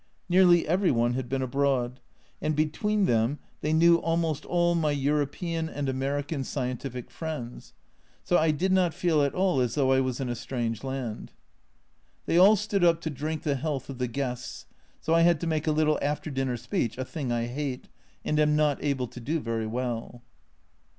Nearly every one had been abroad, and between them they knew almost all my European and American scientific 72 A Journal from Japan friends so I did not feel at all as though I was in a strange land. They all stood up to drink the health of the guests, so I had to make a little after dinner speech, a thing I hate, and am not able to do very well.